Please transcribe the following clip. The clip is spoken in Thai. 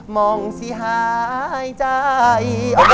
มองสิหายใจ